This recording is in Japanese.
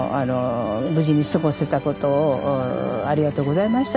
無事に過ごせたことをありがとうございました